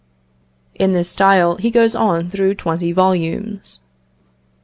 In this style he goes on through twenty volumes.